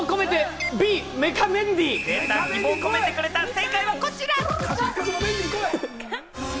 正解はこちら。